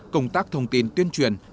công tác thông tin tuyên truyền